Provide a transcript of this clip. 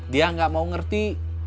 dia gak mau ngerti